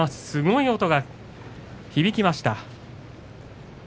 すごい音が響きました。